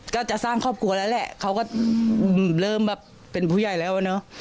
ก็จะสร้างครอบครัวแล้วแหละเขาก็เริ่มแบบเป็นผู้ใหญ่แล้วอะเนาะ